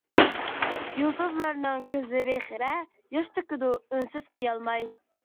يۇلتۇزلارنىڭ كۆزلىرى خىرە، ياش تۆكىدۇ ئۈنسىز قىيالماي.